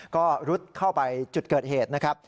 ก็รุดเข้าไปจุดเกิดเหตุนะครับ